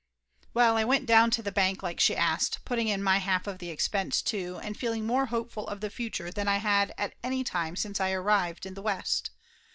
Well, I went down to the bank like she asked, put ting in my half of the expense, too, and feeling more hopeful of the future than I had at any time since I arrived in the West.